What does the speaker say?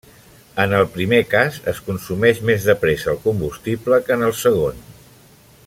En el primer cas es consumeix més de pressa el combustible que en el segon.